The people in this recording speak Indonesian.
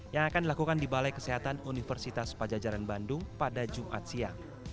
yang akan dilakukan di balai kesehatan universitas pajajaran bandung pada jumat siang